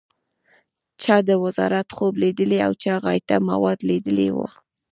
چا د وزارت خوب لیدلی او چا غایطه مواد لیدلي و.